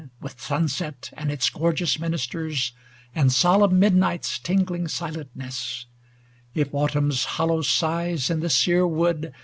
With sunset and its gorgeous ministers, And solemn midnight's tingling silent ness; If Autumn's hollow sighs in the sere wood.